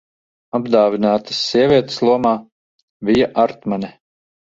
Apdāvinātas sievietes lomā: Vija Artmane.